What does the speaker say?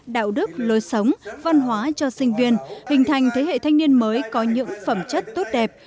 đạo đức lối sống văn hóa cho sinh viên hình thành thế hệ thanh niên mới có những phẩm chất tốt đẹp